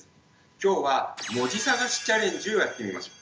今日は文字探しチャレンジをやってみましょう。